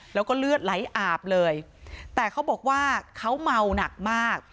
แล้วก็เลือดไหลอาบเลยแต่เขาบอกว่าเขาเมาหนักมาก